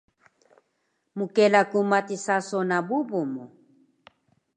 Mkela ku matis saso na bubu mu